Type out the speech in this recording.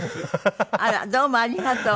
あらどうもありがとう。